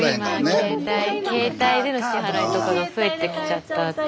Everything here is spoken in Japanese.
スタジオ携帯での支払いとかが増えてきちゃったっていう。